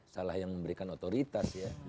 salah yang memberikan otoritas ya